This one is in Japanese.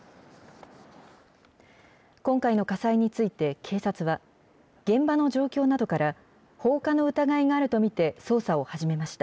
今回の火災について警察は、現場の状況などから、放火の疑いがあると見て、捜査を始めました。